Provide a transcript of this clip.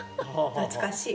懐かしい。